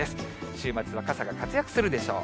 週末は傘が活躍するでしょう。